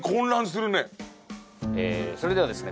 それではですね